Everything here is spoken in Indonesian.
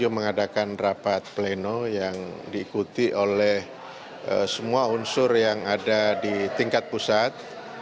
seribu sembilan ratus lima puluh tujuh mengadakan rapat pleno yang diikuti oleh semua unsur yang ada di tingkat pusat